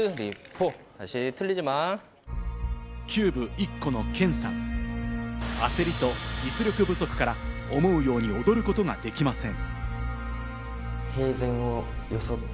キューブ１個のケンさん、焦りと実力不足から思うように踊ることができません。